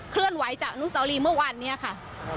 เลื่อนไหวจากอนุสาวรีเมื่อวานนี้ค่ะ